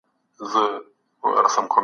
شپږ ويشت اوويشت اته ويشت نه ويشت دیرش